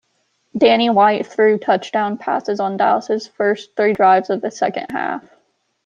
Danny White threw touchdown passes on Dallas' first three drives of the second half.